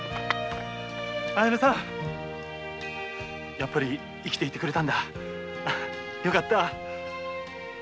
やっぱり生きていてくれたんだよかった。